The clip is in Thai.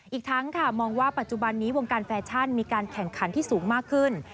อีกทั้งค่ะมองว่าปัจจุบันนี้วงการแฟชั่นมีการแข่งขันที่สูงมากขึ้น